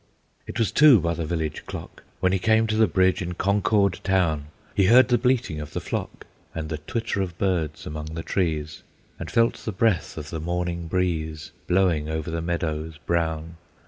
It was two by the village clock, When he came to the bridge in Concord town. He heard the bleating of the flock, And the twitter of birds among the trees, And felt the breath of the morning breeze Blowing over the meadows brown.